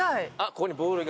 ここにボールが。